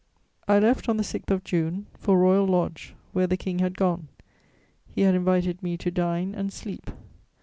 I left, on the 6th of June, for Royal Lodge, where the King had gone. He had invited me to dine and sleep.